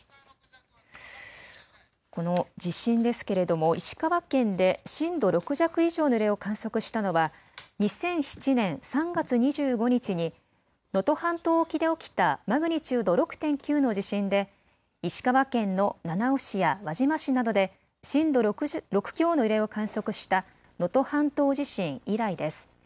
この地震ですけれども石川県で震度６弱以上の揺れを観測したのは２００７年３月２５日に能登半島沖で起きたマグニチュード６．９の地震で石川県の七尾市や輪島市などで震度６強の揺れを観測した能登半島地震以来です。